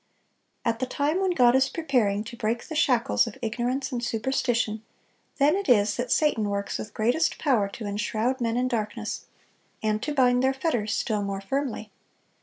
At the time when God is preparing to break the shackles of ignorance and superstition, then it is that Satan works with greatest power to enshroud men in darkness, and to bind their fetters still more firmly.